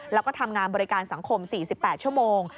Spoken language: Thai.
แล้วก็ทำงานบริการสังคม๔๘ชั่วโมง